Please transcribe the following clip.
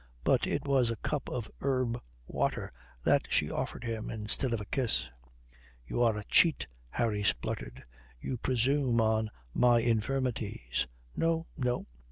But it was a cup of herb water that she offered him instead of a kiss. "You are a cheat," Harry spluttered. "You presume on my infirmities." "No. No.